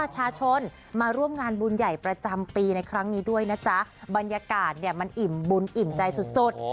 ประชาชนมาร่วมงานบุญใหญ่ประจำปีในครั้งนี้ด้วยนะจ๊ะบรรยากาศเนี่ยมันอิ่มบุญอิ่มใจสุดสุด